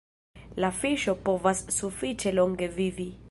La fiŝo povas sufiĉe longe vivi.